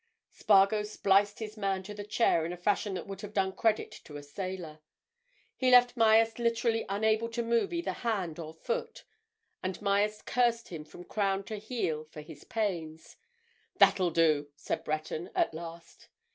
Spargo spliced his man to the chair in a fashion that would have done credit to a sailor. He left Myerst literally unable to move either hand or foot, and Myerst cursed him from crown to heel for his pains. "That'll do," said Breton at last.